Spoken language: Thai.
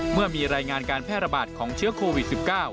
เมื่อมีรายงานการแพร่ระบาดของเชื้อโควิด๑๙